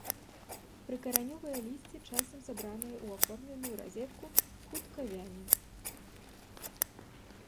Прыкаранёвае лісце часам сабранае ў аформленую разетку, хутка вяне.